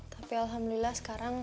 tapi alhamdulillah sekarang